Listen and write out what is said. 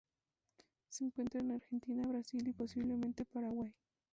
Se encuentra en Argentina, Brasil y, posiblemente, Paraguay.